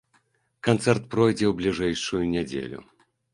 Канцэрт пройдзе ў бліжэйшую нядзелю.